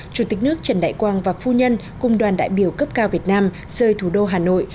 chủ tịch nước trần đại quang và phu nhân cùng đoàn đại biểu cấp cao việt nam rời thủ đô hà nội